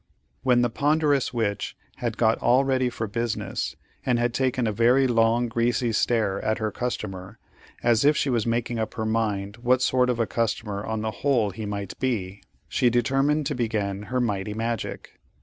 When the ponderous Witch had got all ready for business, and had taken a very long greasy stare at her customer, as if she was making up her mind what sort of a customer on the whole he might be, she determined to begin her mighty magic.